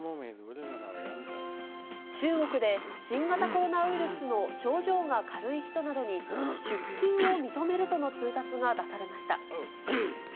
中国で新型コロナウイルスの症状が軽い人などに、出勤を認めるとの通達が出されました。